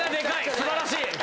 素晴らしい！